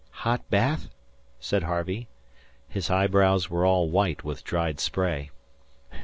"Hot bath?" said Harvey. His eyebrows were all white with dried spray.